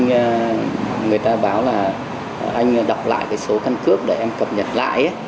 người ta báo là anh đọc lại cái số căn cướp để em cập nhật lại